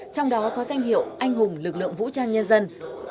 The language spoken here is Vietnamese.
trong đó có danh hiệu anh hùng lực lượng vũ trang nhân dân